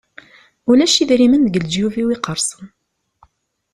Ulac idrimen deg leǧyub-iw iqersen.